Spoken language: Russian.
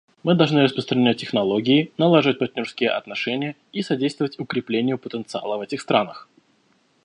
Мы должны распространять технологии, налаживать партнерские отношения и содействовать укреплению потенциала в этих странах.